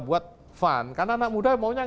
buat fun karena anak muda maunya